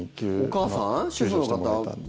お母さん、主婦の方